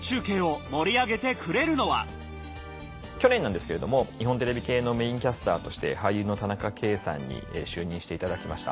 去年なんですけれども日本テレビ系のメインキャスターとして俳優の田中圭さんに就任していただきました。